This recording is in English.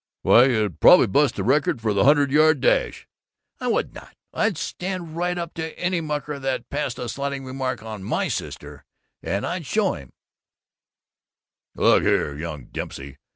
"Why, you'd probably bust the record for the hundred yard dash!" "I would not! I'd stand right up to any mucker that passed a slighting remark on my sister and I'd show him " "Look here, young Dempsey!